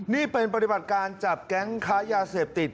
นี่เป็นปฏิบัติการจับแก๊งค้ายาเสพติด